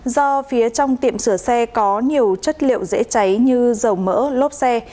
do phía trong tiệm sửa xe có nhiều chất liệu dễ cháy như dầu mỡ lốp xe